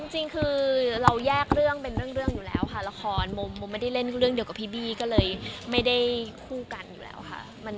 จริงคือเราแยกเรื่องเป็นเรื่องอยู่แล้วค่ะละครมุมไม่ได้เล่นเรื่องเดียวกับพี่บี้ก็เลยไม่ได้คู่กันอยู่แล้วค่ะ